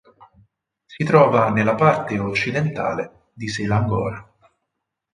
Si trova nella parte occidentale di Selangor.